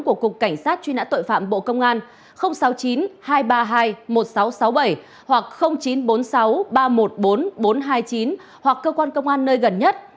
của cục cảnh sát truy nã tội phạm bộ công an sáu mươi chín hai trăm ba mươi hai một nghìn sáu trăm sáu mươi bảy hoặc chín trăm bốn mươi sáu ba trăm một mươi bốn bốn trăm hai mươi chín hoặc cơ quan công an nơi gần nhất